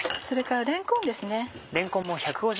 それかられんこんです。